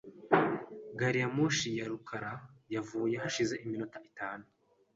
Gari ya moshi ya rukara yavuye hashize iminota itanu.